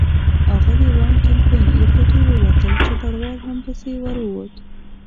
اغلې وان کمپن له کوټې ووتل، چوپړوال هم پسې ور ووت.